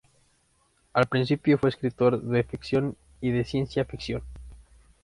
Al principio fue escritor de ficción y de ciencia ficción.